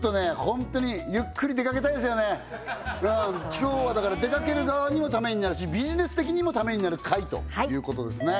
今日はだから出かける側にもためになるしビジネス的にもためになる回ということですね